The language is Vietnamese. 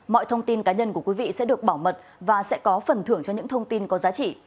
mọi thông tin cá nhân của quý vị sẽ được bảo mật và sẽ có phần thưởng cho những thông tin có giá trị